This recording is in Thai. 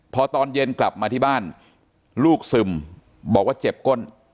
พอตอนเย็นกลับมาที่บ้านลูกซึมบอกว่าเจ็บก้น